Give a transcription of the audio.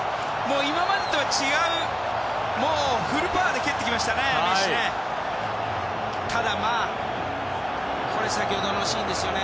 今までとは違う、フルパワーで蹴ってきましたね、メッシね。